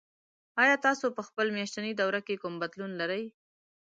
ایا تاسو په خپل میاشتني دوره کې کوم بدلون لرئ؟